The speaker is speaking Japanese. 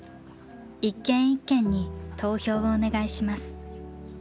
一軒一軒に投票をお願いします。